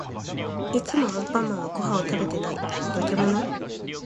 いつもアンパンマンはご飯を食べてない。のけもの？